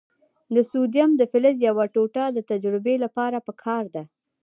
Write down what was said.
د سوډیم د فلز یوه ټوټه د تجربې لپاره پکار ده.